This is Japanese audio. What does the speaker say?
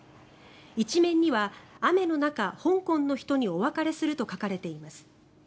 １面には雨の中、香港の人にお別れすると書かれています。